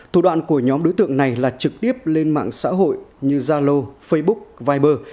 thủ đoạn của nhóm đối tượng này là trực tiếp lên mạng xã hội như zalo facebook viber